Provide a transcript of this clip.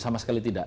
sama sekali tidak